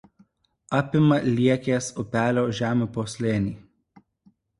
Apima Liekės upelio žemupio slėnį.